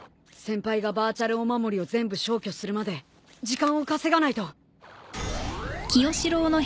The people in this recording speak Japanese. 先輩がバーチャルお守りを全部消去するまで時間を稼がないと。